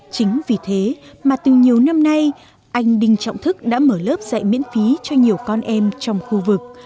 chính vì thế mà từ nhiều năm nay anh đinh trọng thức đã mở lớp dạy miễn phí cho nhiều con em trong khu vực